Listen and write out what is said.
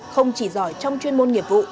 không chỉ giỏi trong chuyên môn nghiệp vụ